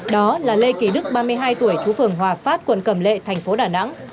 đó là lê kỳ đức ba mươi hai tuổi chú phường hòa phát quận cầm lệ thành phố đà nẵng